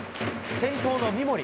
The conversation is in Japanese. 先頭の三森。